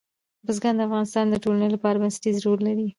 بزګان د افغانستان د ټولنې لپاره بنسټیز رول لري.